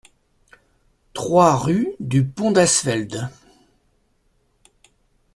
trois rue du Pont d'Asfeld